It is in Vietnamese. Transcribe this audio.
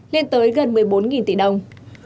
lên tới gần một mươi bốn tỷ đồng